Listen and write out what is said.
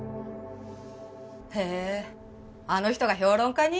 へえあの人が評論家に？